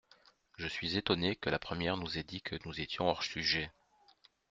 Je suis étonnée que la première nous ait dit que nous étions hors sujet.